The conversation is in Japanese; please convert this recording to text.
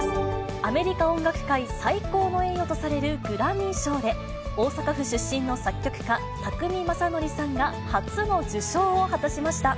アメリカ音楽界最高の栄誉とされるグラミー賞で、大阪府出身の作曲家、宅見将典さんが初の受賞を果たしました。